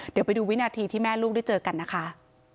เดี๋ยวไปดูวินาทีที่แม่ลูกได้เจอกันนะคะ